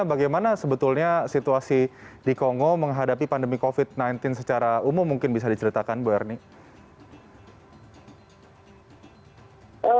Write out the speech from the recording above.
bagaimana sebetulnya situasi di kongo menghadapi pandemi covid sembilan belas secara umum mungkin bisa diceritakan bu ernie